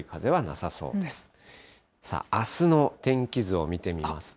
さあ、あすの天気図を見てみますと。